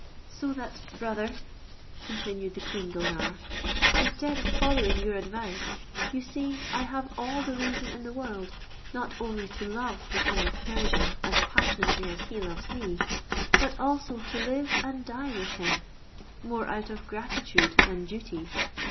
"So that, brother," continued the queen Gulnare, "instead of following your advice, you see I have all the reason in the world, not only to love the king of Persia as passionately as he loves me, but also to live and die with him, more out of gratitude than duty.